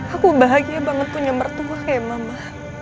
aku bahagia banget punya mertua kayak mama